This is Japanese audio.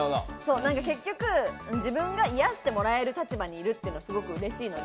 結局、自分が癒してもらえる立場にいるっていうのがすごく嬉しいので。